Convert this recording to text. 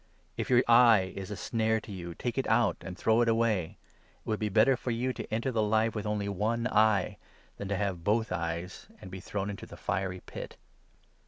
If your eye is a snare to you, 9 take it out, and throw it away. It would be better for you to enter the Life with only one eye, than to have both eyes and be thrown into the fiery Pit.